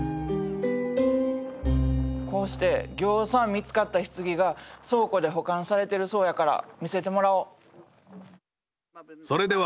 こうしてぎょうさん見つかった棺が倉庫で保管されてるそうやから見せてもらお。